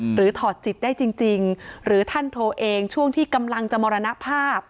ถอดจิตได้จริงหรือท่านโทรเองช่วงที่กำลังจะมรณภาพ